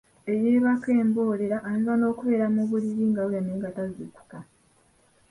Eyeebaka emboleera ayinza n’okubeera mu buliri ng’awulira naye nga tazuukuka.